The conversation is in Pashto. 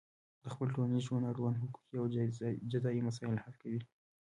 د خپل ټولنیز ژوند اړوند حقوقي او جزایي مسایل حل کوي.